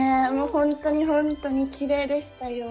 本当に本当にきれいでしたよ。